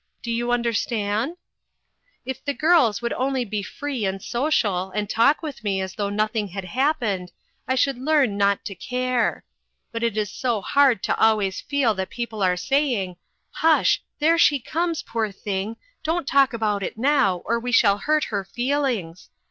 Do you understand ?" If the girls would only be free and go A FAMILY SECRET. 43! cial, and talk with me as though nothing had happened, I should learn not to care. But it is so hard to always feel that people are saying: 'Hush! there she comes, poor thing, don't talk about it now, or we shall hurt her feelings